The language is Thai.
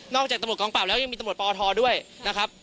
นอกจากตะหมดองปราบแล้วยังมีตะหมดปทด้วยนะครับ